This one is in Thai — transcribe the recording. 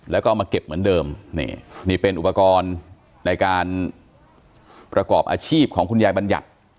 แล้วก็เอามาเก็บเหมือนเดิมนี่นี่เป็นอุปกรณ์ในการประกอบอาชีพของคุณยายบัญญัติ